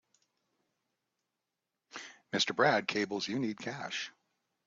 Mr. Brad cables you need cash.